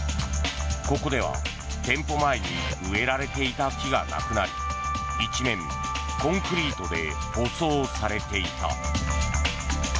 ここでは店舗前に植えられていた木がなくなり一面、コンクリートで舗装されていた。